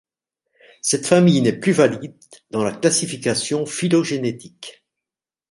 Cette famille n'est plus valide dans la classification phylogénétique.